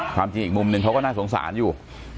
ความจริงอีกมุมหนึ่งเขาก็น่าสงสารอยู่